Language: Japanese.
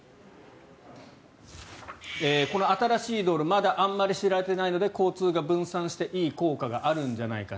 まだあまり知られていないので交通が分散していい効果があるんじゃないか。